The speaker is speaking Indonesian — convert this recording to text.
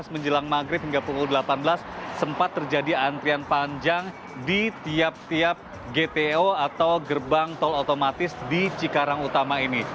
menjelang maghrib hingga pukul delapan belas sempat terjadi antrian panjang di tiap tiap gto atau gerbang tol otomatis di cikarang utama ini